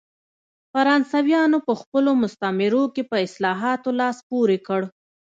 فرانسویانو په خپلو مستعمرو کې په اصلاحاتو لاس پورې کړ.